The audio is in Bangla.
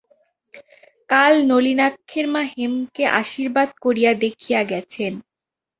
কাল নলিনাক্ষের মা হেমকে আশীর্বাদ করিয়া দেখিয়া গেছেন।